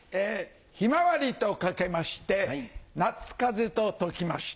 ひまわりと掛けまして夏風邪と解きました。